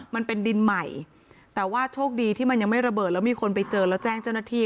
มันเป็นดินใหม่แต่ว่าโชคดีที่มันยังไม่ระเบิดแล้วมีคนไปเจอแล้วแจ้งเจ้าหน้าที่